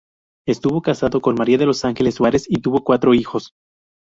Estuvo casado con María de los Ángeles Suárez y tuvo cuatro hijos.